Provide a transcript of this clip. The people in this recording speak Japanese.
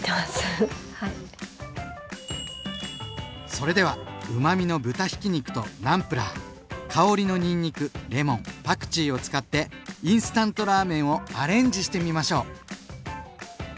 それではうまみの豚ひき肉とナムプラー香りのにんにくレモンパクチーを使ってインスタントラーメンをアレンジしてみましょう！